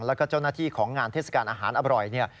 แล้วก็เจ้าหน้าที่ของงานเทศกาลอาหารอร่อยเนี่ย